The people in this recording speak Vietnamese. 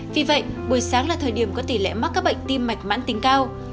vì vậy buổi sáng là thời điểm có tỷ lệ mắc các bệnh tim mạch mãn tính cao